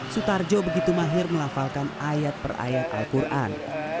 sutarjo begitu mahir melafalkan ayat per ayat al quran